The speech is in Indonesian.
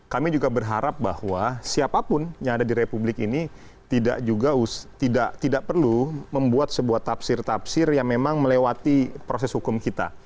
kami juga berharap bahwa siapapun yang ada di republik ini tidak perlu membuat sebuah tafsir tafsir yang memang melewati proses hukum kita